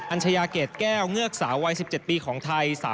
ัญชายาเกรดแก้วเงือกสาววัย๑๗ปีของไทย